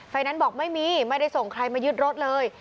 แนนซ์บอกไม่มีไม่ได้ส่งใครมายึดรถเลย